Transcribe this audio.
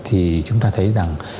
thì chúng ta thấy rằng